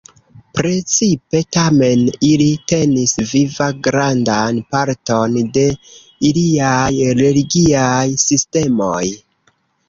Precipe tamen ili tenis viva grandan parton de iliaj religiaj sistemoj.